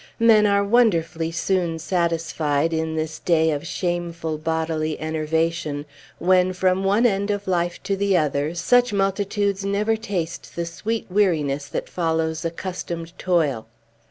Men are wonderfully soon satisfied, in this day of shameful bodily enervation, when, from one end of life to the other, such multitudes never taste the sweet weariness that follows accustomed toil.